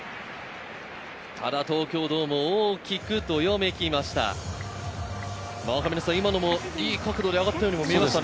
東京ドームを大きくどよめきました。